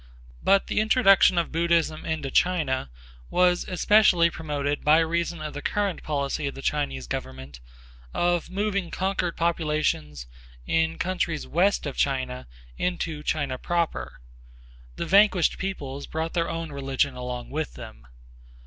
But the introduction of Buddhism into China was especially promoted by reason of the current policy of the Chinese government of moving conquered populations in countries west of China into China proper, The vanquished peoples brought their own religion along with them.